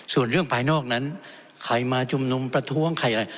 ส่วนเรื่องภายนอกนั้นใครมาชุมนุมประท้วงใครอะไร